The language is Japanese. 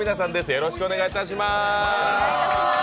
よろしくお願いします。